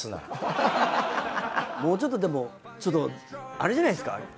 もうちょっとでもちょっとあれじゃないっすか？